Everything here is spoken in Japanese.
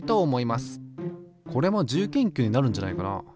これも自由研究になるんじゃないかな？